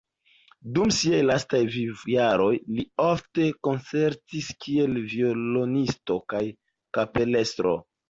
Dum siaj lastaj vivojaroj li ofte koncertis kiel violonisto kaj kapelestro.